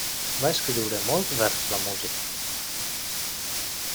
Va escriure molt vers la música.